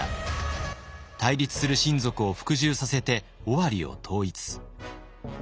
対立する親族を服従させて尾張を統一。